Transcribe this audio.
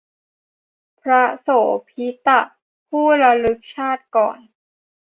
พระโสภิตะ ผู้ระลึกชาติก่อน